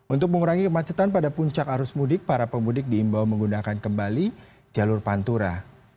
untuk mengurangi kemacetan pada puncak arus mudik para pemudik diimbau menggunakan kembali jalur pantura